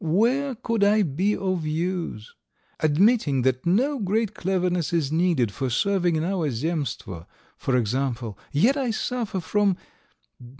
Where could I be of use? Admitting that no great cleverness is needed for serving in our Zemstvo, for example, yet I suffer from